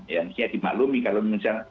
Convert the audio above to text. ya mestinya dimaklumi kalau misalnya